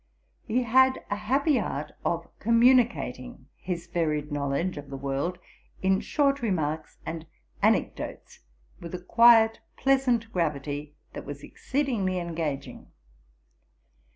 He had a happy art of communicating his varied knowledge of the world, in short remarks and anecdotes, with a quiet pleasant gravity, that was exceedingly engaging.